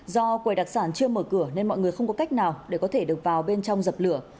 do quầy đặc sản chưa mở cửa nên mọi người không có cách nào để có thể được vào bên trong dập lửa